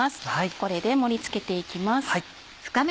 これで盛り付けていきます。